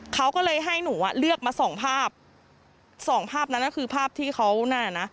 เขาก็เลยให้หนูอ่ะเลือกมาสองภาพสองภาพนั้นน่ะคือภาพที่เขานั่นน่ะนะ